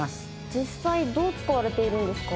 実際どう使われているんですか？